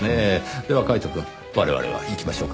ではカイトくん我々は行きましょうか。